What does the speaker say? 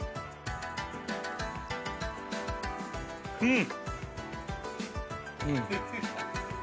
うん！